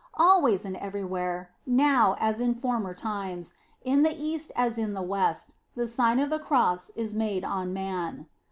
Always and everywhere, now as in former times, in the East as in the West, the Sigri of the Cross is made on man.